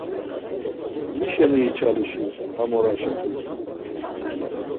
Mişeni içalişi hamora şakis?